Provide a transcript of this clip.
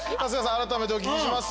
改めてお聞きします。